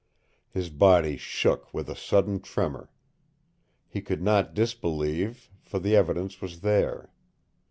His body shook with a sudden tremor. He could not disbelieve, for the evidence was there.